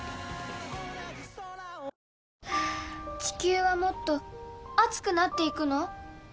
地球はもっと熱くなっていくの？